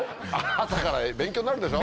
朝から勉強になるでしょ？